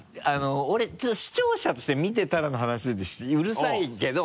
俺ちょっと視聴者として見てたらの話うるさいけど。